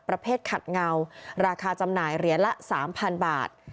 ประเภทขัดเงาราคาจำหน่ายเหรียญละ๓๐๐๐บาท